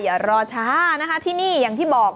อย่ารอช้านะคะที่นี่อย่างที่บอก